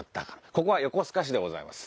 ここは横須賀市でございます。